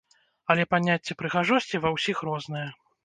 Але паняцце прыгажосці ва ўсіх рознае.